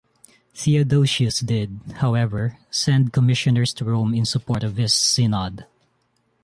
Theodosius did, however, send commissioners to Rome in support of his synod.